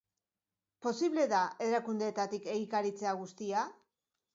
Posible da erakundeetatik egikaritzea guztia?